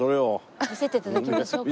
見せて頂きましょうか。